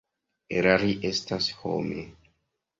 Erari estas home.